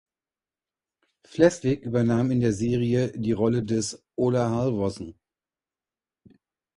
Flesvig übernahm in der Serie die Rolle des "Ola Halvorsen".